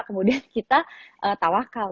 kemudian kita tawakal